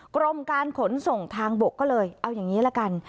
กรมการขนส่งทางบกก็เลยเอาอย่างนี้ละกัน